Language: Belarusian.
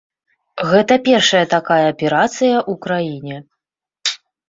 Гэта першая такая аперацыя ў краіне.